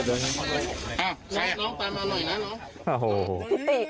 หมัดหนักใช่ไหมครับหนักมันจะยกขึ้นไหม